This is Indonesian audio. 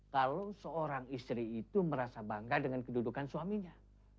kalau seorang istri itu merasa bangga dengan kedudukan suaminya